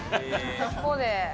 ここで。